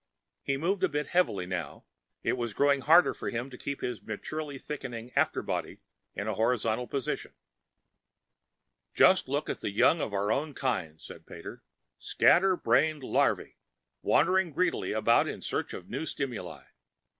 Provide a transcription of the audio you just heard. He moved a bit heavily now; it was growing hard for him to keep his maturely thickening afterbody in a horizontal posture. "Just look at the young of our own kind," said Pater. "Scatter brained larvae, wandering greedily about in search of new stimuli.